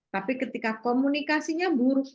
tapi ketika komunikasinya buruk